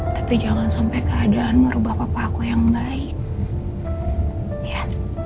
tapi jangan sampai keadaanmu merubah papa aku yang baik ya